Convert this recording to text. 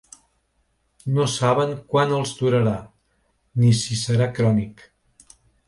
No saben quant els durarà, ni si serà crònic.